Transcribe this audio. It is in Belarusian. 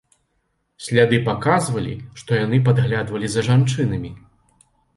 Сляды паказвалі, што яны падглядвалі за жанчынамі.